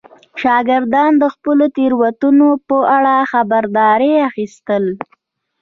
شاګردان د خپلو تېروتنو په اړه خبرداری اخیستل.